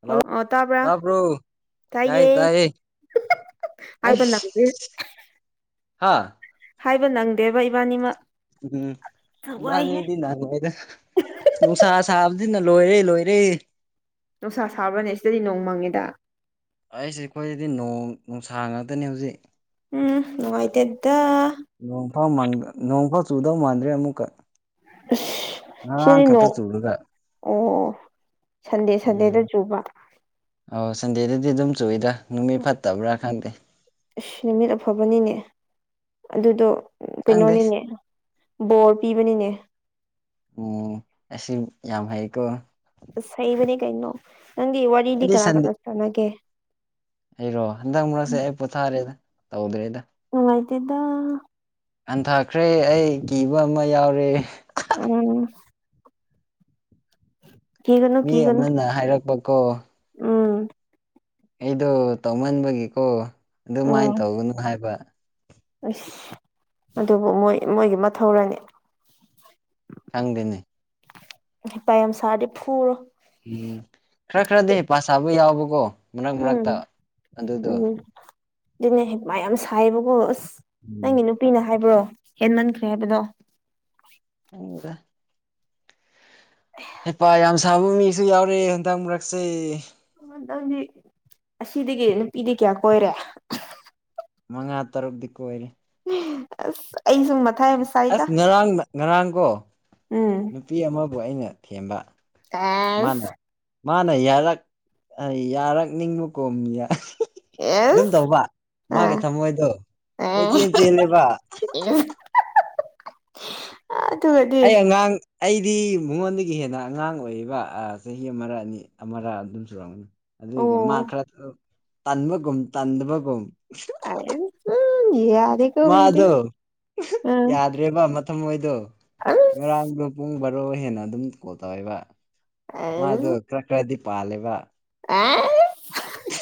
hello ꯑꯣꯂ ꯇꯥꯕ꯭ꯔꯥ ꯇꯥꯕ꯭ꯔꯣ ꯇꯥꯏꯌꯦ ꯍꯥꯏꯕ ꯅꯪꯗꯦ ꯍꯥꯥ ꯍꯥꯏꯕ ꯅꯪꯗꯦꯕ ꯏꯕꯥꯅꯤꯃꯛ ꯎꯝ ꯋꯥꯏꯍꯦ ꯏꯕꯅꯤꯗꯤ ꯅꯪꯉꯦꯗ ꯅꯨꯡꯁꯥ ꯁꯥꯕꯗꯤꯅ ꯂꯣꯏꯔꯦ ꯂꯣꯏꯔꯦ ꯅꯨꯡꯁꯥ ꯁꯥꯕ꯭ꯔꯅꯦ ꯁꯤꯗꯗꯤ ꯅꯣꯡ ꯃꯪꯉꯦꯗ ꯑꯩꯁ ꯑꯩꯈꯣꯏꯗꯗꯤ ꯅꯣꯡ ꯅꯨꯡꯁꯥꯡ ꯉꯥꯛꯇꯅꯤ ꯍꯧꯖꯤꯛ ꯎꯝ ꯅꯨꯡꯉꯥꯏꯇꯦꯗ ꯅꯣꯡꯐꯥꯎ ꯅꯣꯡꯐꯥꯎ ꯆꯨꯗꯧ ꯃꯥꯟꯗ꯭ꯔꯦ ꯑꯃꯨꯛꯀ ꯉꯔꯥꯡ ꯁꯔꯤ ꯅꯣ ꯈꯛꯇ ꯆꯨꯔꯒ ꯑꯣ ꯁꯟꯗꯦ ꯁꯟꯗꯦꯗ ꯆꯨꯕ ꯑꯣ ꯁꯟꯗꯦꯗꯗꯤ ꯑꯗꯨꯝ ꯆꯨꯏꯔꯥ ꯅꯨꯃꯤꯠ ꯐꯠꯇꯕ꯭ꯔꯥ ꯈꯪꯗꯦ ꯑꯁ ꯅꯨꯃꯤꯠ ꯑꯐꯕꯅꯤꯅꯦ ꯑꯗꯨꯗꯣ ꯈꯪꯗꯦ ꯀꯩꯅꯣꯅꯤꯅꯦ ꯕꯣꯔ ꯄꯤꯕꯅꯤꯅꯦ ꯎꯝ ꯑꯁꯤ ꯌꯥꯝ ꯐꯩꯀꯣ ꯑꯁ ꯍꯩꯕꯅꯦ ꯀꯩꯅꯣ ꯅꯪꯒꯤ ꯋꯥꯔꯤꯗꯤ ꯑꯩꯗꯤ ꯀꯅꯥ ꯁꯟꯗꯦ ꯀꯅꯥ ꯁꯥꯟꯅꯒꯦ ꯑꯩꯔꯣ ꯍꯟꯗꯛ ꯃꯔꯛꯁꯦ ꯑꯩ ꯄꯣꯊꯥꯔꯦꯗ ꯇꯧꯗ꯭ꯔꯦꯗ ꯎꯉꯥꯏꯇꯗ ꯍꯟꯊꯈ꯭ꯔꯦ ꯑꯩ ꯀꯤꯕ ꯑꯃ ꯌꯥꯎꯔꯦ ꯎꯝ ꯀ ꯀ ꯀ ꯃꯤ ꯀ ꯑꯃꯅ ꯍꯥꯏꯔꯛꯄꯀꯣ ꯎꯝ ꯑꯩꯗꯣ ꯇꯧꯃꯟꯕꯒꯤꯀꯣ ꯑꯗꯨꯃꯥꯏꯅ ꯎꯝ ꯇꯧꯒꯅꯨ ꯍꯥꯏꯕ ꯑꯁ ꯑꯗꯨꯕꯨ ꯃꯣꯏ ꯃꯣꯏꯒꯤ ꯃꯊꯧꯔꯅꯤ ꯈꯪꯗꯅꯤ ꯍ ꯄ ꯌꯥꯝ ꯁꯥꯔꯗꯤ ꯐꯨꯔꯣ ꯎꯝ ꯈꯔ ꯈꯔꯗꯤ ꯄꯁꯥꯕꯨ ꯌꯥꯎꯕꯀꯣ ꯃꯔꯛ ꯎꯝ ꯃꯔꯛꯇ ꯑꯗꯨꯗꯣ ꯎꯝ ꯑꯗꯨꯅꯦ ꯃ ꯌꯥꯝ ꯁꯥꯏꯌꯦꯕꯀꯣ ꯑꯁ ꯎꯝ ꯅꯪꯒꯤꯅꯨ ꯄꯤꯅ ꯍꯥꯏꯕ꯭ꯔꯣ ꯍꯦꯟ ꯃꯟꯈ꯭ꯔꯦ ꯍꯥꯏꯕꯗꯣ ꯍꯗ ꯍꯩꯄꯥ ꯌꯥꯝ ꯁꯥꯕ ꯃꯤꯁꯨ ꯌꯥꯎꯔꯦ ꯍꯟꯇꯡ ꯃꯔꯛꯁꯦ ꯃꯊꯪꯗꯤ ꯑꯁꯤꯗꯒꯤ ꯅꯨꯄꯤꯗꯤ ꯀꯌꯥ ꯀꯣꯏꯔꯦ ꯃꯉꯥ ꯇꯔꯨꯛꯇꯗꯤꯤ ꯀꯣꯏꯔꯦ ꯑꯁ ꯑꯩ ꯁꯨꯝ ꯃꯊꯥꯏ ꯑꯁ ꯉꯔꯥꯡ ꯉꯔꯥꯡ ꯀꯣ ꯎꯝ ꯅꯨꯄꯤ ꯑꯃꯕꯨ ꯑꯩꯅ ꯊꯦꯝꯕ ꯑꯦꯁ ꯃꯥꯗ ꯃꯥꯅ ꯌꯥꯔꯛ ꯌꯥꯔꯛꯅꯤꯡꯕ ꯀꯣꯝ ꯑꯗꯨꯝ ꯑꯦꯁ ꯇꯧꯕ ꯃꯥꯒꯤ ꯑꯥ ꯊꯝꯃꯣꯏꯗꯣ ꯀꯣꯏ ꯆꯦꯜ ꯆꯦꯜꯂꯦꯕ ꯏ [unintelligible] ꯑꯩ ꯑꯉꯥꯡ ꯑꯩꯗꯤ ꯃꯉꯣꯟꯗꯒꯤ ꯍꯦꯟꯅ ꯑꯉꯥꯡ ꯑꯣꯏꯔꯤꯕ ꯆꯍꯤ ꯑꯃ ꯑꯅꯤ ꯑꯃꯥ ꯑꯗꯨꯝ ꯁꯨꯔꯝꯒꯅꯤ ꯑꯗꯨꯏꯒꯤ ꯑꯣ ꯃꯥ ꯈꯔ ꯇꯟꯕꯒꯨꯝ ꯇꯟꯗꯕꯒꯨꯝ ꯎ ꯌꯦ ꯃꯥ ꯑꯗꯨ ꯌꯥꯔ ꯦꯕ ꯃꯇꯝꯍꯣꯏꯗꯣ ꯑꯁ ꯉꯔꯥꯡꯗꯣ ꯄꯨꯡ ꯕꯥꯔꯣ ꯍꯦꯟꯅ ꯑꯗꯨꯝ ꯀꯣꯜ ꯇꯧꯋꯦꯕ ꯃꯥ ꯑꯗꯨ ꯀ꯭ꯔ ꯀ꯭ꯔꯗꯤ ꯄꯥꯜꯂꯦꯕ ꯑ ꯎ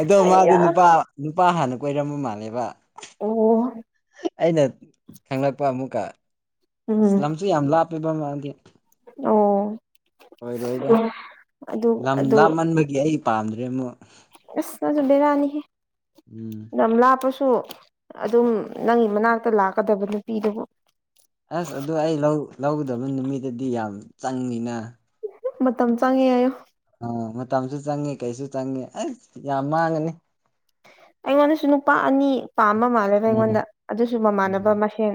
ꯑꯗꯣ ꯃꯥꯗꯣ ꯑꯌꯥ ꯅꯨꯄꯥ ꯅꯨꯄꯥ ꯍꯥꯟꯅ ꯀꯣꯏꯔꯝꯕ ꯃꯥꯜꯂꯦꯕ ꯑꯣ ꯑꯩꯅ ꯈꯪꯂꯛꯄ ꯑꯃꯨꯛꯀ ꯎꯝ ꯁꯤ ꯌꯥꯝ ꯂꯥꯞꯄꯦꯕ ꯃꯥꯗꯤ ꯑꯣ ꯑꯣꯏꯔꯣꯏꯗ ꯑꯗꯨ ꯂꯝ ꯑꯗꯨ ꯂꯥꯞꯃꯟꯕꯒꯤ ꯑꯩ ꯄꯥꯝꯗ꯭ꯔꯦ ꯑꯃꯨꯛ ꯑ ꯑꯗꯨ ꯑꯗꯨ ꯦꯔꯥꯅꯤ ꯍꯦ ꯎꯝ ꯅꯝ ꯂꯥꯞꯄꯁꯨ ꯑꯗꯨꯝ ꯅꯪꯒꯤ ꯃꯅꯥꯛꯇ ꯂꯥꯛꯀꯗꯕ ꯅꯨꯄꯤꯗꯨꯕꯨ ꯑꯁ ꯑꯗꯨ ꯑꯩ ꯂꯧꯒꯗꯕ ꯅꯨꯃꯤꯠꯇꯗꯤ ꯌꯥꯝ ꯆꯪꯉꯅ ꯃꯇꯝ ꯆꯪꯉꯦ ꯍꯥꯏꯌꯨ ꯑ ꯃꯇꯝꯁꯨ ꯆꯪꯉꯦ ꯀꯩꯁꯨ ꯆꯪꯉꯦ ꯑꯩ ꯌꯥꯝ ꯃꯥꯡꯉꯅꯤ ꯑꯩꯉꯣꯟꯗꯁꯨ ꯅꯨꯄꯥ ꯑꯅꯤ ꯄꯥꯝꯕ ꯃꯥꯜꯂꯦꯕ ꯎꯝ ꯑꯩꯉꯣꯟꯗ ꯑꯗꯨꯁꯨ ꯃꯃꯥꯟꯅꯕ ꯎꯝ ꯃꯁꯦꯟ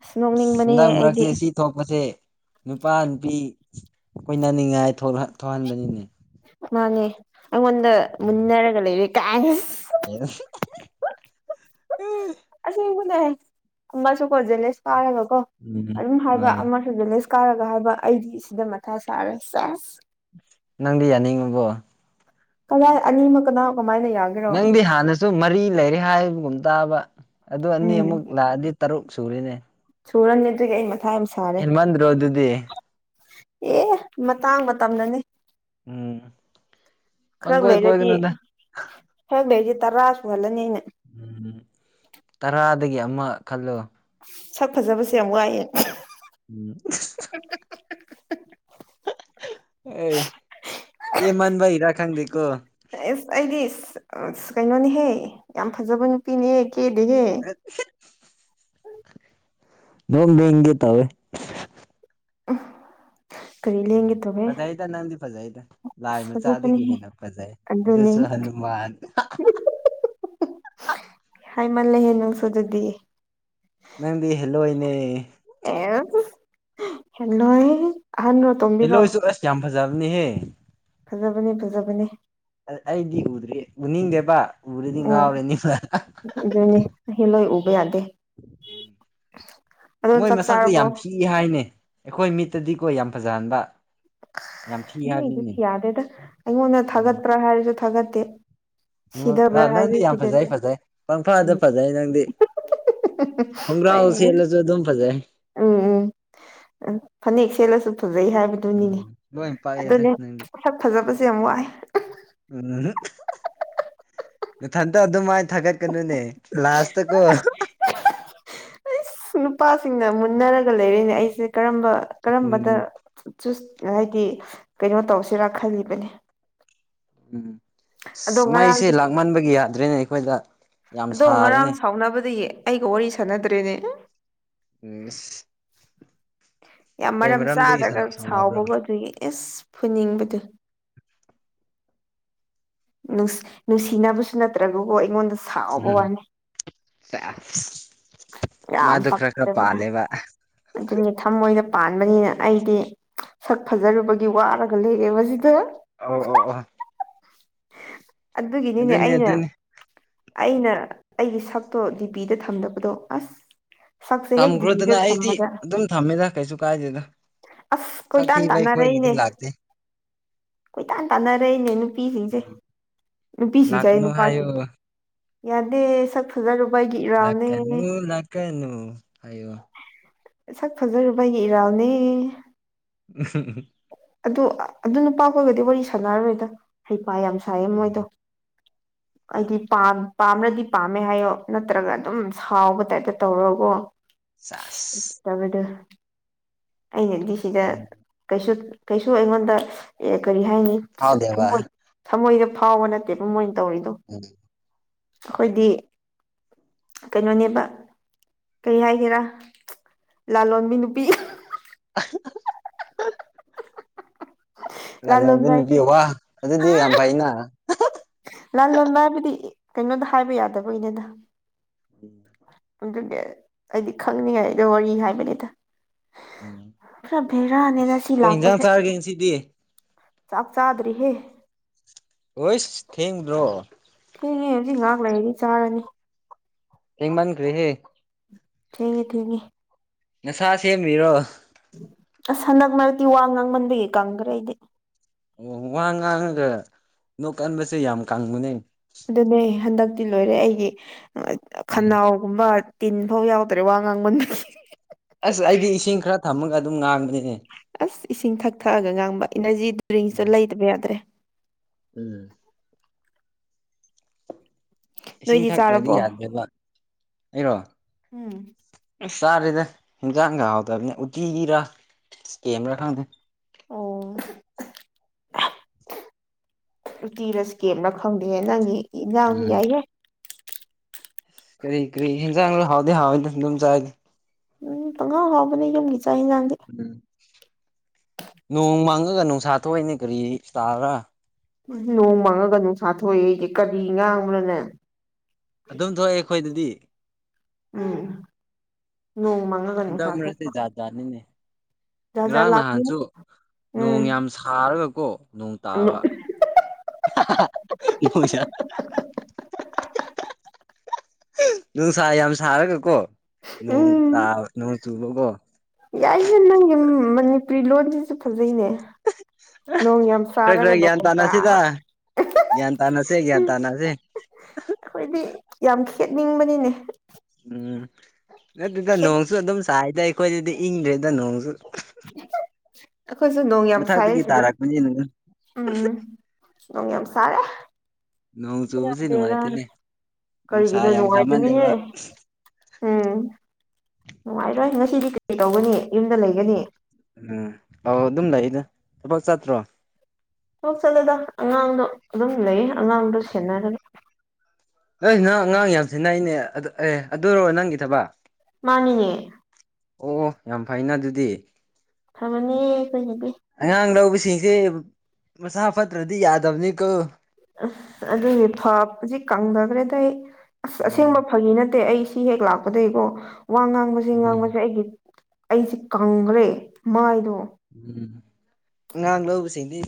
ꯑꯁ ꯅꯣꯛꯅꯤꯡꯕꯅꯦ ꯍꯟꯗꯛ ꯑꯩꯗꯤ ꯃꯔꯛꯁꯦ ꯁꯤ ꯊꯣꯛꯄꯁꯦ ꯅꯨꯄꯥ ꯅꯨꯄꯤ ꯀꯣꯏꯅꯅꯤꯡꯉꯥꯏ ꯊꯣꯛꯍꯟꯕꯅꯤꯅꯦ ꯃꯥꯅꯦ ꯑꯩꯉꯣꯟꯗ ꯃꯨꯟꯅꯔꯒ ꯂꯩꯔꯦ ꯀꯥꯏꯅ ꯍ ꯑꯁꯦꯡꯕꯨꯅꯦꯕꯁꯨ ꯀꯣꯟꯁꯤꯂꯦꯁ ꯀꯥꯔꯒ ꯀꯣ ꯎꯝ ꯑꯗꯨꯝ ꯍꯥꯏꯕ ꯑꯥ ꯑꯃ ꯚꯦꯂꯦꯖ ꯀꯥꯔꯒ ꯍꯥꯏꯕ ꯑꯩꯗꯤ ꯁꯤꯗ ꯃꯊꯥ ꯁꯥꯔ ꯆ ꯅꯪꯗꯤ ꯌꯥꯅꯤꯡꯉꯕꯣ ꯀꯗꯥꯏ ꯑꯅꯤꯃꯛ ꯀꯅꯥ ꯀꯃꯥꯏꯅ ꯌꯥꯒꯦ ꯅꯪꯗꯤ ꯍꯥꯟꯅꯁꯨ ꯃꯔꯤ ꯂꯩꯔꯦ ꯍꯥꯏꯕꯒꯨꯝ ꯇꯥꯕ ꯑꯗꯨ ꯑꯅꯤ ꯎꯝ ꯑꯃꯨꯛ ꯂꯥꯛꯑꯗꯤ ꯇꯔꯨꯛ ꯁꯨꯔꯤꯅꯦ ꯁꯨꯔꯅꯤ ꯑꯗꯨꯒꯤ ꯑꯩ ꯃꯊꯥ ꯌꯥꯝ ꯁꯥꯔꯦ ꯍꯦꯟꯃꯟꯗ꯭ꯔꯣ ꯑꯗꯨꯗꯤ ꯑꯦ ꯃꯇꯥꯡ ꯃꯇꯝꯗꯅꯦ ꯎꯝ ꯈꯔ ꯄꯪꯀꯣꯏ ꯂꯩꯔꯗꯤ ꯀꯣꯏꯒꯅꯨꯗ ꯈꯔ ꯂꯩꯔꯗꯤ ꯇꯔꯥ ꯁꯨꯍꯜꯂꯅꯤ ꯑꯩꯅ ꯎꯝꯝ ꯇꯔꯥꯗꯒꯤ ꯑꯃ ꯈꯜꯂꯣ ꯁꯛ ꯐꯖꯕꯁꯦ ꯌꯥꯝ ꯋꯥꯏꯑꯦ ꯎꯝ ꯑꯦ ꯀ ꯃꯟꯚ ꯍꯔ ꯈꯥꯪꯗꯤꯦꯀꯣ ꯑꯦꯁ ꯑꯩꯗꯤ ꯀꯩꯅꯣꯅꯦꯍꯦ ꯌꯥꯝ ꯐꯖꯕ ꯅꯨꯄꯤꯅꯦꯍꯦ ꯀꯦꯜꯂꯤꯦꯍꯦ [inaudible] ꯅꯣꯡ ꯍꯦ ꯇꯕꯦ ꯎ ꯎꯝ ꯐꯖ ꯍꯥꯏꯗ ꯅꯪꯗꯤ ꯐꯖ ꯍꯥꯏꯗ ꯑꯁ ꯂꯥꯏ ꯃꯆꯥꯗꯒꯤ ꯐꯖꯕꯅꯦꯍꯦ ꯍꯦꯟꯅ ꯐꯖꯩ ꯑꯗꯨꯅꯦ ꯑꯗꯨꯁꯨ ꯍꯅꯨꯃꯥꯟ ꯍꯥꯏꯃꯜꯂꯦꯍꯦ ꯅꯨꯡꯁꯨ ꯑꯗꯨꯗꯤ ꯅꯪꯗꯤ ꯍꯦꯜꯂꯣꯏꯅꯦ ꯑꯦ ꯍꯂꯣꯏ ꯑꯍꯅ ꯍꯂꯣꯏꯁꯨ ꯑꯁ ꯌꯥꯝ ꯐꯖꯕꯅꯦꯍꯦ ꯐꯖꯕꯅꯤ ꯐꯖꯕꯅꯤ ꯑꯩꯗꯤ ꯎꯗ꯭ꯦ ꯎꯅꯤꯡꯗꯦꯕ ꯎꯔꯗꯤ ꯎꯝ ꯉꯥꯎꯔꯅꯤ ꯑꯗꯨꯅꯦ ꯑꯩ ꯂꯣꯏ ꯎꯕ ꯌꯥꯗꯦ ꯑꯗꯣ ꯃꯣꯏ ꯆꯥꯛ ꯃꯁꯛꯇ ꯆꯥꯔꯕꯣ ꯌꯥꯝ ꯐꯤ ꯍꯥꯏꯅꯦ ꯑꯩꯈꯣꯏ ꯃꯤꯠꯇꯗꯤꯀꯣ ꯌꯥꯝ ꯐꯖꯍꯟꯕ ꯌꯥꯝ ꯊꯤ ꯍꯥꯏꯕꯅꯤꯅꯦ ꯅꯣꯏꯗꯨꯗꯤ ꯌꯥꯗꯦꯗ ꯑꯩꯉꯣꯟꯗ ꯎꯝ ꯊꯥꯒꯠꯄ꯭ꯔꯥ ꯍꯥꯏꯔꯁꯨ ꯊꯥꯒꯠꯇꯦ ꯑ ꯁꯤꯗꯕ꯭ꯔꯥ ꯍꯥꯏꯁꯨ ꯅꯪꯗꯤ ꯌꯥꯝ ꯐꯖꯩ ꯁꯤꯗꯕꯤꯦ ꯐꯖꯩ ꯄꯪꯐꯥꯗ ꯐꯖꯩ ꯅꯪꯗꯤ ꯈꯣꯡꯒ꯭ꯔꯥꯎ ꯑꯩ ꯎꯝ ꯁꯦꯠꯂꯁꯨ ꯑꯗꯨꯝ ꯐꯖꯩ ꯎꯝ ꯎꯝ ꯐꯅꯦꯛ ꯁꯦꯠꯂꯁꯨ ꯐꯖꯩ ꯎꯝ ꯍꯥꯏꯕꯗꯨꯅꯤꯅꯦ ꯂꯣꯏ ꯄꯥꯛꯑꯦꯗ ꯅꯪꯗꯤ ꯑꯗꯨꯅꯦꯁꯛ ꯐꯖꯕꯁꯦ ꯌꯥꯝ ꯋꯥꯏ ꯎꯝ ꯃꯊꯟꯇ ꯑꯗꯨꯃꯥꯏꯅ ꯊꯥꯒꯠꯀꯅꯨꯅꯦ ꯂꯥꯁꯇ ꯀꯣ ꯑꯩ ꯅꯨꯄꯥꯁꯤꯡꯅ ꯃꯨꯟꯅꯔꯒ ꯂꯩꯔꯤꯅꯦ ꯑꯩꯁꯦ ꯀꯔꯝꯕ ꯀꯔꯝꯕꯗ ꯎꯝ ꯆꯨꯁ ꯍꯥꯏꯗꯤ ꯀꯩꯅꯣ ꯇꯧꯁꯤꯔꯥ ꯈꯜꯂꯤꯕꯅꯤ ꯎꯝ ꯑꯗꯣ ꯑꯁ ꯃꯩꯁꯦ ꯉꯔꯥꯡꯗꯒꯤ ꯂꯥꯛꯃꯟꯕꯒꯤ ꯌꯥꯗ꯭ꯔꯦꯅꯦ ꯑꯩꯈꯣꯏꯗ ꯌꯥꯝ ꯑꯗꯣ ꯉꯔꯥꯡ ꯁꯥꯔꯦꯅꯦ ꯁꯥꯎꯅꯕꯗꯒꯤ ꯑꯩꯒ ꯋꯥꯔꯤ ꯁꯥꯟꯅꯗ꯭ꯔꯦꯅꯦ ꯎꯝ ꯌꯥꯝ ꯀꯩ ꯃꯔꯝ ꯃꯔꯝꯗꯒꯤ ꯆꯥꯗ꯭ꯔꯒ ꯁꯥꯎꯅꯕ꯭ꯔꯣ ꯁꯥꯎꯕꯗꯨꯒꯗꯤ ꯏꯁ ꯐꯨꯅꯤꯡꯕꯗꯨ ꯅꯨꯡꯁꯤꯅꯕꯁꯨ ꯅꯠꯇ꯭ꯔꯒꯀꯣ ꯑꯩꯉꯣꯟꯗꯁꯨ ꯎꯝ ꯃꯥꯗꯨ ꯈꯔ ꯈꯔ ꯄꯥꯜꯂꯦꯕ ꯑꯗꯨꯒꯤ ꯊꯝꯣꯏꯗ ꯄꯥꯟꯕꯅꯤꯅ ꯑꯩꯗꯤ ꯁꯛ ꯐꯖꯔꯨꯕꯒꯤ ꯋꯥꯔꯒ ꯂꯩꯔꯦꯕꯁꯤꯗ ꯑꯣ ꯑꯣ ꯑꯣ ꯑꯗꯨꯒꯤꯅꯤꯅꯦ ꯑꯗꯨꯅꯤ ꯑꯩꯅ ꯑꯗꯨꯅꯤ ꯑꯩꯅ ꯑꯩꯒꯤ ꯁꯛꯇꯣ ꯗꯤ ꯄꯤꯗ ꯊꯝꯗꯕꯗꯣ ꯑꯁ ꯁꯛꯁꯦ ꯍꯦꯛ ꯗꯤꯄꯤꯗ ꯊꯝꯈ꯭ꯔꯣꯗꯅ ꯑꯩꯗꯤ ꯊꯝꯃꯒ ꯑꯗꯨꯝ ꯊꯝꯃꯦꯗ ꯀꯩꯁꯨ ꯀꯥꯏꯗꯦꯗ ꯑꯁ ꯁꯛ ꯀꯣꯏꯇꯥꯟ ꯊꯤꯕ ꯑꯩꯈꯣꯏꯒꯤꯗꯤ ꯇꯥꯟꯅꯔꯛꯏꯅꯦ ꯂꯥꯛꯇꯦ ꯀꯣꯏꯇꯥꯟ ꯇꯥꯟꯅꯔꯛꯏꯅꯦ ꯅꯨꯄꯤꯁꯤꯡ ꯁꯦ ꯅꯨꯄꯤꯁꯤꯡꯁꯦ ꯑꯥꯌꯦ ꯂꯥꯛꯀꯅꯨ ꯍꯥꯏꯌꯣ ꯅꯨꯄꯥꯁꯤꯡ ꯌꯥꯗꯦ ꯁꯛ ꯐꯖꯔꯨꯕ ꯑꯩꯒꯤ ꯏꯔꯥꯜ ꯂꯥꯛꯀꯅꯨ ꯂꯥꯛꯀꯅꯨ ꯍꯥꯏꯌꯣ ꯁꯛ ꯐꯖꯔꯨꯕ ꯑꯩꯒꯤ ꯏꯔꯥꯜꯅꯦ ꯎꯝ ꯎ ꯑꯗꯨ ꯑꯗꯨ ꯅꯨꯄꯥꯈꯣꯏꯒꯗꯤ ꯋꯥꯔꯤ ꯁꯥꯟꯅꯔꯔꯣꯏꯗ ꯍꯩꯄꯥ ꯌꯥꯝ ꯁꯥꯏꯌꯦ ꯃꯣꯏꯗꯣ ꯍꯥꯏꯗꯤ ꯄꯥꯝ ꯄꯥꯝꯔꯗꯤ ꯄꯥꯝꯃꯦ ꯍꯥꯏꯌꯣ ꯅꯠꯇ꯭ꯔꯒ ꯑꯗꯨꯝ ꯁꯥꯎꯕ ꯇꯥꯏꯞꯇ ꯇꯧꯔꯒꯀꯣ ꯆꯥꯁ ꯇꯔꯦꯗꯣ ꯑꯩꯅꯗꯤ ꯁꯤꯗ ꯀꯩꯁꯨ ꯀꯩꯁꯨ ꯑꯩꯉꯣꯟꯗ ꯀꯔꯤ ꯍꯥꯏꯅꯤ ꯐꯥꯎꯗꯦꯕ ꯊꯃꯣꯏ ꯊꯃꯣꯏꯗ ꯐꯥꯎꯕ ꯅꯠꯇꯦꯕ ꯃꯣꯏꯅ ꯇꯧꯔꯤꯗꯣ ꯎ ꯑꯩꯈꯣꯏꯗꯤ ꯀꯩꯅꯣꯅꯦꯕ ꯀꯔꯤ ꯍꯥꯏꯒꯦꯔꯥ ꯂꯥꯜꯂꯣꯟꯕꯤ ꯅꯨꯄꯤ ꯑꯍꯥ ꯂꯥꯂꯣꯟꯕ ꯅꯨꯄꯤ ꯋꯥ ꯑꯗꯨꯗꯤ ꯌꯥꯝ ꯐꯩꯅ ꯂꯥꯜꯂꯣꯟꯕ ꯍꯥꯏꯕꯗꯤ ꯀꯩꯅꯣꯗ ꯍꯥꯏꯕ ꯌꯥꯗꯕꯒꯤꯅꯦꯗ ꯎꯝ ꯑꯗꯨꯗꯤ ꯑꯩꯗꯤ ꯈꯪꯅꯤꯡꯉꯥꯏꯗ ꯋꯥꯔꯤ ꯍꯥꯏꯕꯅꯤꯗ ꯄꯨꯔ ꯚꯦꯔꯥꯅꯦꯗ ꯁꯤ ꯂꯥꯛꯄꯁꯦ ꯁꯤꯗꯤ ꯆꯥꯛ ꯆꯥꯗ꯭ꯔꯤꯍꯦ ꯍꯣꯏꯁ ꯊꯦꯡꯗ꯭ꯔꯣ ꯊꯦꯡꯉꯦ ꯍꯧꯖꯤꯛ ꯉꯥꯏꯍꯥꯛ ꯂꯩꯔꯒ ꯆꯥꯔꯅꯤ ꯊꯦꯡꯃꯟꯈ꯭ꯔꯦꯍꯦ ꯊꯦꯡꯉꯦ ꯊꯦꯡꯉꯦ ꯅꯁꯥ ꯁꯦꯝꯃꯤꯔꯣ ꯑꯁ ꯍꯟꯗꯛ ꯃꯔꯛꯇꯤ ꯋꯥ ꯉꯥꯡꯃꯟꯕꯒꯤ ꯀꯪꯈ꯭ꯔꯦ ꯑꯩꯗꯤ ꯑꯣ ꯋꯥ ꯉꯥꯡꯉꯒ ꯅꯣꯛ ꯀꯟꯕꯁꯦ ꯌꯥꯝ ꯀꯪꯕꯅꯦ ꯑꯗꯨꯅꯦ ꯍꯟꯗꯛꯇꯤ ꯂꯣꯏꯔꯦ ꯑꯩꯒꯤ ꯑ ꯎꯝ ꯈꯅꯥꯎ ꯒꯨꯝꯕ ꯇꯤꯟ ꯐꯥꯎ ꯌꯥꯎꯗ꯭ꯔꯦ ꯋꯥ ꯉꯥꯡꯃꯟꯗ ꯑꯁ ꯑꯩꯗꯤ ꯏꯁꯤꯡ ꯈꯔ ꯊꯝꯃꯒ ꯑꯗꯨꯝ ꯉꯥꯡꯕꯅꯤꯍꯦ ꯑꯁ ꯏꯁꯤꯡ ꯊꯛ ꯊꯛꯑꯒ ꯉꯥꯡꯕ ꯏꯅꯔꯖꯤ ꯗ꯭ꯔꯤꯡꯁꯇꯣ ꯂꯩꯇꯕ ꯌꯥꯗ꯭ꯔꯦ ꯎꯝ ꯏꯁꯤꯡ ꯅꯣꯏꯗꯤ ꯊꯛꯇ꯭ꯔꯗꯤ ꯆꯥꯔꯕꯣ ꯌꯥꯗ꯭ꯔꯦꯕ ꯑꯩꯔꯣ ꯎꯝ ꯑꯁ ꯆꯥꯔꯦꯗ ꯍꯤꯟꯖꯥꯡꯒ ꯍꯥꯎꯇꯕꯅꯦ ꯎꯇꯤꯔꯥ ꯁ꯭ꯀꯦꯝꯔꯥ ꯈꯪꯗꯦ ꯑꯣ ꯎꯇꯤ ꯔꯁꯨ ꯀꯦꯝꯅ ꯈꯪꯗꯦ ꯅꯪꯒꯤ ꯏꯟꯖꯥꯡꯁꯨ ꯎꯝ ꯌꯥꯏꯌꯦꯦ ꯀꯔꯤ ꯀꯔꯤ ꯆꯥꯡ ꯍꯥꯎꯗ ꯍꯥꯏꯝ ꯆ ꯎꯝ ꯄꯪꯍꯥꯎ ꯍꯥꯎꯕꯅꯦ ꯌꯨꯝꯒꯤ ꯆꯥꯛ ꯌꯦꯟꯖꯥꯡꯁ ꯎꯝ ꯅꯣꯡ ꯃꯥꯡꯉꯒ ꯅꯨꯡꯁꯥ ꯊꯣꯛꯏꯅꯦ ꯀꯔꯤ ꯇꯥꯕ꯭ꯔꯥ ꯅꯣꯡ ꯃꯪꯉꯒ ꯅꯨꯡꯁꯥꯊꯣꯛꯑꯦ ꯑꯩꯁꯦ ꯀꯔꯤ ꯉꯥꯡꯕꯅꯅꯦ ꯑꯗꯨꯝ ꯊꯣꯛꯑꯦ ꯑꯩꯈꯣꯏꯗꯗꯤ ꯎꯝ ꯅꯣꯡꯃ ꯍꯟꯗꯛ ꯃꯔꯁꯦ ꯖꯥꯠ ꯇꯖꯥꯅꯤꯅꯦ ꯖꯥꯠ ꯖꯥꯠ ꯉꯔꯥꯡ ꯂꯥꯛꯄꯅꯤ ꯅꯍꯥꯟꯁꯨ ꯅꯣꯡ ꯎꯝ ꯌꯥꯝ ꯊꯥꯔꯒꯀꯣ ꯅꯣꯡ ꯇꯥꯕ ꯑꯩꯈꯣꯏꯁ ꯅꯨꯡꯁꯥ ꯌꯥꯝ ꯁꯥꯔꯒꯀꯣ ꯅꯣꯡ ꯇꯥ ꯅꯣꯡ ꯆꯨꯕ ꯀꯣ ꯌꯥꯏ ꯍꯦꯟꯅꯪ ꯃꯅꯤꯄꯨꯔꯤ ꯂꯣꯟꯁꯤꯁꯨ ꯐꯖꯩꯅꯦ ꯅꯣꯡ ꯌꯥꯝ ꯈꯔ ꯈꯔ ꯆꯥꯔꯒ ꯒ꯭ꯌꯥꯟ ꯅꯣꯡ ꯇꯥꯅꯁꯤꯗ ꯇꯥꯕ ꯒꯌꯥꯟ ꯇꯥꯅꯁꯦ ꯒ꯭ꯌꯥꯟ ꯎꯝ ꯇꯥꯅꯁꯦ ꯑꯩꯈꯣꯏꯗꯤ ꯌꯥꯝ ꯈꯦꯠꯅꯤꯡꯕꯅꯤꯅꯦ ꯎꯝ ꯅꯠꯇꯗ ꯈꯦꯠ ꯅꯣꯡꯁꯨ ꯑꯗꯨꯝ ꯁꯥꯏꯗ ꯑꯩꯈꯣꯏꯗꯗꯤ ꯏꯪꯗ꯭ꯔꯦꯗ ꯅꯣꯡꯁꯨ ꯑꯩꯈꯣꯏꯁꯨ ꯅꯣ ꯃꯊꯛꯇꯒꯤ ꯇꯥꯔꯛꯄꯅꯤ ꯑꯗꯨ ꯎꯝ ꯎ ꯌꯥꯝ ꯁꯔꯦ ꯅꯣꯡ ꯆꯨꯕꯁꯤ ꯗꯦꯔ ꯅꯨꯡꯉꯥꯏꯇꯦꯅꯦ ꯅꯨꯡꯁꯥ ꯀꯔꯤꯒꯤꯅꯣ ꯌꯥꯝ ꯅꯨꯡꯉꯥꯏꯕꯅꯤꯍꯦ ꯁꯥꯃꯜꯂꯦꯕ ꯎꯝ ꯅꯨꯡꯉꯥꯏꯔꯣꯏ ꯉꯁꯤꯗꯤ ꯀꯔꯤ ꯇꯧꯒꯅꯤ ꯌꯨꯝꯗ ꯂꯩꯒꯅꯤ ꯎꯝ ꯑꯥꯎ ꯑꯗꯨꯝ ꯂꯩꯗ ꯊꯕꯛ ꯆꯥꯠꯇ꯭ꯔꯣ ꯊꯣꯛꯣꯛ ꯆꯠꯂꯗ ꯑꯉꯥꯡꯗꯣ ꯑꯗꯨꯝ ꯂꯩ ꯎꯝ ꯑꯩ ꯅꯍ ꯑꯉꯥꯡ ꯌꯥꯝꯁꯤꯅꯩꯅꯦ ꯑ ꯑꯦ ꯑꯗꯨ ꯑꯣꯏꯔꯣ ꯅꯪꯒꯤ ꯊꯕ ꯃꯥꯅꯤꯌꯦ ꯑꯣ ꯌꯥꯝ ꯐꯩꯅ ꯑꯗꯨꯗꯤ ꯀꯊ ꯃꯅꯤ ꯀꯕꯤ ꯑꯉꯥꯡ ꯂꯧꯕꯁꯤꯡꯁꯦ ꯃꯁꯥ ꯐꯠꯇ꯭ꯔꯗꯤ ꯌꯥꯗꯕꯅꯤꯀꯣ ꯑ ꯑꯗꯨꯗꯤ ꯐꯖꯤ ꯀꯪꯊꯈ꯭ꯔꯦꯗ ꯑꯩ ꯑꯁ ꯎꯝ ꯑꯁꯦꯡꯕ ꯐꯒꯤ ꯅꯠꯇꯦ ꯑꯩ ꯁꯤ ꯍꯦꯛ ꯂꯥꯛꯄꯗꯒꯤꯀꯣ ꯋꯥ ꯉꯥꯡꯕꯕꯁꯤꯦ ꯎꯝ ꯉꯥꯡꯕꯁꯦ ꯑꯩꯒꯤ ꯑꯩꯁꯦ ꯀꯪꯈ꯭ꯔꯦ ꯃꯥꯏꯗꯣ ꯎꯝ ꯑꯉꯥꯡ ꯂꯧꯕꯁꯤꯡꯗꯤ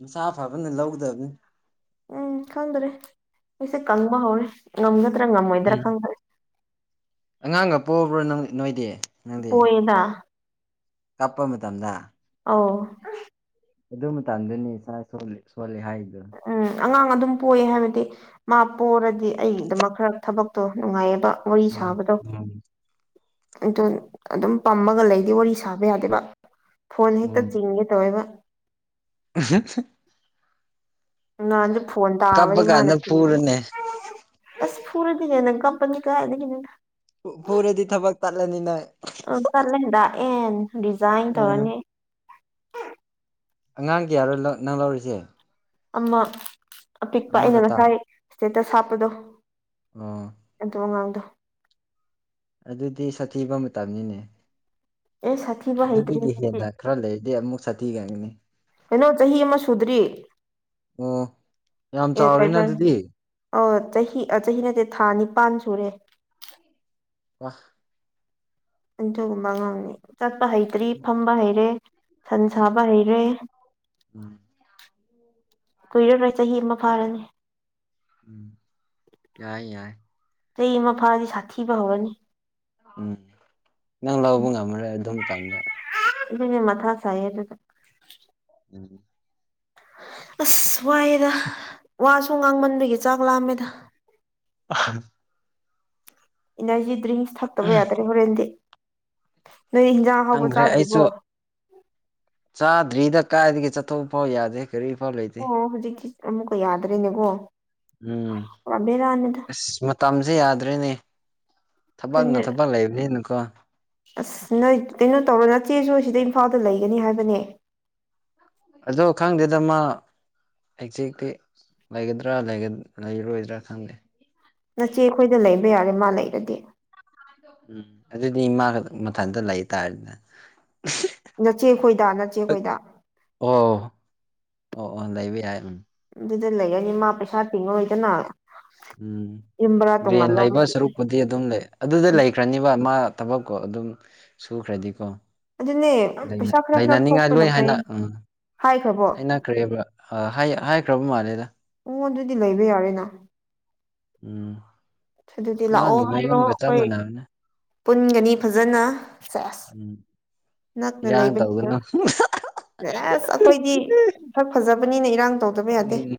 ꯃꯁꯥ ꯐꯕꯅ ꯂꯧꯒꯗꯕꯅꯤ ꯎꯝ ꯈꯪꯗ꯭ꯔꯦ ꯑꯩꯁꯦ ꯀꯪꯕ ꯍꯧꯔꯦ ꯉꯝꯒꯗ꯭ꯔꯥ ꯉꯝꯃꯣꯏꯗ꯭ꯔꯥ ꯎꯝ ꯈꯪꯗ꯭ꯔꯦ ꯑꯉꯥꯡꯒ ꯄꯣꯛꯑꯕ꯭ꯔꯣ ꯅꯣꯏꯗꯤ ꯄꯣꯏꯗꯥ ꯀꯞꯄ ꯃꯇꯝꯗ ꯑꯥꯎ ꯑꯗꯨ ꯃꯇꯥꯟꯗꯨꯅꯤ ꯏꯁꯥ ꯁꯣꯜꯜꯂꯤ ꯍꯥꯏꯗꯨꯣ ꯎꯝ ꯑꯉꯥꯡ ꯑꯗꯨꯝ ꯄꯣꯛꯌꯦ ꯍꯥꯏꯕꯗꯤ ꯃꯥ ꯄꯔꯗꯤ ꯑꯩ ꯑꯗꯨꯃꯛ ꯈꯔ ꯊꯕꯛꯇꯣ ꯅꯨꯡꯉꯥꯏꯌꯦꯕ ꯋꯥꯔꯤ ꯎꯝ ꯁꯥꯕꯗꯧ ꯎꯝ ꯑꯩꯇꯣ ꯑꯗꯨꯝ ꯄꯝꯃꯒ ꯂꯩꯗꯤ ꯋꯥꯔꯤ ꯁꯥꯕ ꯌꯥꯗꯦꯕ ꯐꯣꯟ ꯍꯦꯛꯇ ꯎꯝ ꯆꯤꯡꯒꯦ ꯇꯧꯦꯕ ꯅ ꯉꯍꯥꯟꯁꯨ ꯐꯣꯟ ꯀꯞꯄ ꯇꯥꯕꯅꯤ ꯃꯥꯅ ꯀꯥꯟꯗ ꯀꯤꯗꯅꯣ ꯐꯨꯔꯅꯦ ꯑꯁ ꯐꯔꯗꯤꯅꯦꯅ ꯀꯝꯄꯅꯤ ꯀꯗꯤꯅꯦꯅ ꯄꯨꯔꯗꯤ ꯊꯕꯛ ꯇꯠꯂꯅꯤ ꯅꯣꯏ ꯆꯠꯂꯦꯗꯥꯛ ꯑꯦꯟ ꯗꯤꯖꯥꯏꯟ ꯇꯧꯔꯅꯤ ꯑꯉꯥꯡꯒꯤ ꯌꯥꯔꯣꯏ ꯅꯪ ꯂꯧꯔꯤꯁꯦ ꯑꯃ ꯑꯄꯤꯛꯄ ꯑꯩꯅ ꯑꯃꯈꯛꯇ ꯉꯁꯥꯏ ꯏꯁꯇꯦꯇꯁ ꯍꯥꯞꯄꯗꯣ ꯑ ꯑꯗꯨ ꯃꯃꯥꯡꯗꯣ ꯑꯗꯨꯗꯤ ꯁꯥꯊꯤꯕ ꯃꯇꯝꯅꯤꯅꯦ ꯑꯦ ꯁꯥꯊꯤꯕ ꯍꯩꯇ꯭ꯔꯤ ꯑꯗꯨꯗꯒꯤ ꯍꯦꯟꯅ ꯈꯔ ꯂꯩꯔꯗꯤ ꯑꯃꯨꯛ ꯁꯥꯊꯤꯒꯪꯅꯤ ꯀꯩꯅꯣ ꯆꯍꯤ ꯑꯃ ꯁꯨꯗ꯭ꯔꯤ ꯑꯣ ꯌꯥꯝ ꯑꯦ ꯀꯔꯤ ꯆꯥꯎꯔꯤꯅ ꯀꯥꯏ ꯑꯗꯨꯗꯤ ꯑ ꯆꯍꯤ ꯆꯍꯤ ꯅꯠꯇꯦ ꯊꯥ ꯅꯤꯄꯥꯟ ꯁꯨꯔꯦ ꯋꯥꯍ ꯑꯗꯨꯒꯨꯝꯕ ꯑꯉꯥꯡꯅꯤ ꯆꯠꯄ ꯍꯩꯇ꯭ꯔꯤ ꯐꯝꯕ ꯍꯩꯔꯦ ꯁꯟ ꯁꯥꯕ ꯍꯩꯔꯦ ꯎꯝ ꯀꯨꯏꯔꯔꯣꯏ ꯆꯍꯤ ꯑꯃ ꯐꯥꯔꯅꯤ ꯎꯝ ꯌꯥꯏ ꯌꯥꯏ ꯆꯩ ꯑꯃ ꯐꯥꯗꯤ ꯁꯥꯊꯤꯕ ꯍꯧꯔꯅꯤ ꯎꯝ ꯅꯪ ꯂꯧꯕ ꯉꯝꯃꯔꯦ ꯑꯗꯨꯝ ꯆꯥꯟꯗ ꯏ ꯃꯊ ꯁꯥꯏ ꯑꯗꯨ ꯎꯝ ꯑꯁ ꯋꯥꯏꯑꯦꯗ ꯋꯥꯁꯨ ꯉꯥꯡꯃꯟꯕꯒꯤ ꯆꯥꯛ ꯂꯥꯝꯃꯦꯗ ꯑ ꯏꯅꯔꯖꯤ ꯗ꯭ꯔꯤꯡꯁ ꯊꯛꯇꯕ ꯌꯥꯗ꯭ꯔꯦ ꯍꯣꯔꯦꯟꯗꯤ ꯅꯣꯏ ꯏꯟꯖꯥꯡ ꯑꯍꯥꯎꯕ ꯈꯪꯗ꯭ꯔꯦ ꯑꯩꯁꯨ ꯆꯥꯗ꯭ꯔꯤꯕꯣ ꯆꯥꯗ꯭ꯔꯤꯗ ꯀꯥꯏꯗꯒꯤ ꯆꯠꯊꯣꯛꯄ ꯐꯥꯎ ꯌꯥꯗꯦ ꯀꯔꯤ ꯐꯜꯦ ꯑꯣ ꯍꯧꯖꯤꯛꯀꯤ ꯑꯃꯨꯛꯀ ꯌꯥꯗ꯭ꯔꯔꯤꯅꯦꯀꯣ ꯎꯝ ꯑꯁ ꯃꯇꯝꯁꯦ ꯌꯥꯗ꯭ꯔꯦꯅꯦ ꯊꯕꯛꯅ ꯑꯗꯨꯅꯦ ꯊꯕꯛ ꯂꯩꯕꯅꯤꯅꯀꯣ ꯑꯁ ꯅꯣꯏ ꯀꯩꯅꯣ ꯇꯧꯔ ꯅꯠꯇꯦꯁꯨ ꯁꯤꯗ ꯏꯝꯐꯥꯜꯗ ꯂꯩꯒꯅꯤ ꯍꯥꯏꯕꯅꯦ ꯑꯗꯣ ꯈꯪꯗꯦꯗ ꯃꯥ ꯑꯦꯛꯖꯦꯛꯇꯤ ꯂꯩꯒꯗ꯭ꯔꯥ ꯂꯩꯔꯣꯏꯗ꯭ꯔꯥ ꯈꯪꯗꯦ ꯅꯆꯦ ꯑꯩꯈꯣꯏꯗ ꯂꯩꯕ ꯌꯥꯔꯦ ꯃꯥ ꯂꯩꯔꯗꯤ ꯎꯝ ꯑꯗꯨꯗꯤ ꯏꯃꯥ ꯈ ꯃꯊꯟꯇ ꯂꯩꯇꯥꯥꯔꯅ ꯅꯆꯦ ꯑꯩꯈꯣꯏꯗ ꯅꯆꯦꯈꯣꯏꯗ ꯑꯣ ꯑꯣ ꯑꯣ ꯂꯩꯕ ꯌꯥꯏ ꯎꯝ ꯑꯗꯨꯗ ꯂꯩꯔꯅꯤ ꯃꯥ ꯄꯩꯁꯥ ꯇꯤꯡꯉꯣꯏꯗꯅ ꯌꯨꯝꯕ꯭ꯔꯥ ꯇꯣꯡꯉꯥꯟ ꯂꯧꯔꯗꯤ ꯗꯤ ꯑꯗꯨꯝ ꯂꯩ ꯑꯗꯨꯗ ꯂꯩꯈ꯭ꯔꯅꯤꯕ ꯃꯥ ꯊꯕꯛꯀꯣ ꯑꯗꯨꯝ ꯁꯨꯈ꯭ꯔꯗꯤꯀꯣ ꯑꯗꯨꯅꯦ ꯄꯩꯁꯥ ꯈꯔ ꯈꯔ ꯂꯩꯅꯅꯤꯡꯉꯥꯏ ꯊꯣꯛꯄꯅ ꯂꯣꯏ ꯐꯩ ꯍꯥꯏꯅ ꯎꯝ ꯍꯥꯏꯈ꯭ꯔꯕꯣ ꯍꯥꯏꯅ ꯈ꯭ꯔꯦꯕ ꯍꯥꯏꯈ꯭ꯔꯕ ꯃꯥꯜꯂꯦꯗ ꯃꯉꯣꯟ ꯑꯗꯨꯗꯤ ꯂꯩꯕ ꯌꯥꯎꯔꯦꯅ ꯎꯝ ꯑꯗꯨꯗꯤ ꯂꯥꯛꯑꯣ ꯃꯥꯒꯤ ꯍꯥꯏꯔꯣ ꯃꯌꯨꯝꯒ ꯆꯞ ꯑꯩꯈꯣꯏ ꯃꯥꯟꯅꯕꯅꯦ ꯄꯨꯟꯒꯅꯤ ꯐꯖꯅ ꯁꯁ ꯎꯝ ꯅꯛꯅ ꯏꯔꯥꯡ ꯂꯩꯕꯅꯤꯅ ꯇꯧꯒꯅꯨ ꯑꯁ ꯑꯩꯈꯣꯏꯗꯤ ꯈꯛ ꯐꯖꯕꯅꯤꯅ ꯏꯔꯥꯡ ꯇꯧꯗꯕ ꯌꯥꯗꯦ ꯎꯝ